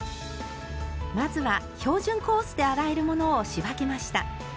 まずは標準コースで洗えるものを仕分けました。